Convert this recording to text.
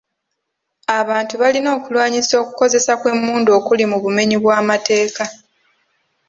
Abantu balina okulwanyisa okukozesa kw'emmundu okuli mu bumenyi bw'amateeka.